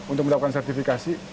untuk mendapatkan sertifikasi